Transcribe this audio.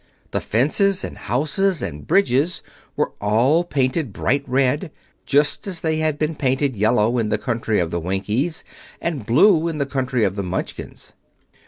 The fences and houses and bridges were all painted bright red, just as they had been painted yellow in the country of the Winkies and blue in the country of the Munchkins.